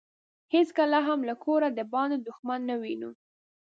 هیڅکله هم له کوره دباندې دښمن نه وينو.